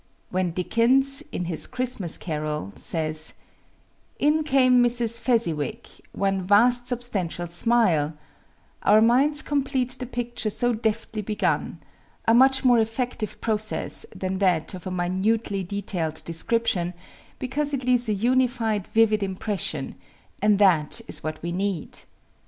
When Dickens, in his "Christmas Carol," says: "In came Mrs. Fezziwig, one vast substantial smile," our minds complete the picture so deftly begun a much more effective process than that of a minutely detailed description because it leaves a unified, vivid impression, and that is what we need.